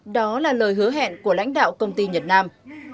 đó là lời hứa hẹn của lãnh đạo công ty nhật nam